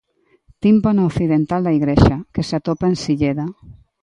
Tímpano occidental da igrexa, que se atopa en Silleda.